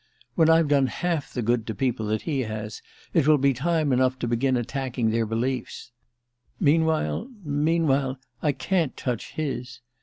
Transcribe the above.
When I've done half the good to people that he has, it will be time enough to begin attacking their beliefs. Meanwhile meanwhile I can't touch his.